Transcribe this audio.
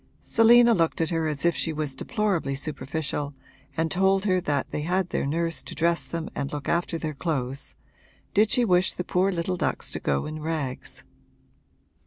Selina looked at her as if she was deplorably superficial and told her that they had their nurse to dress them and look after their clothes did she wish the poor little ducks to go in rags?